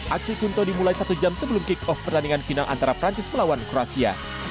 aksi kunto dimulai satu jam sebelum kick off pertandingan final antara perancis melawan kroasia